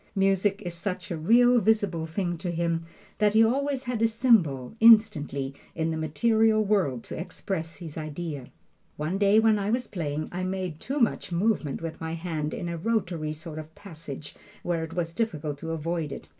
Music is such a real, visible thing to him that he always has a symbol, instantly, in the material world to express his idea. One day, when I was playing, I made too much movement with my hand in a rotary sort of a passage where it was difficult to avoid it.